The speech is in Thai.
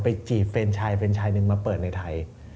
ไปจีบเฟรนชายหนึ่งมาเปิดในไทย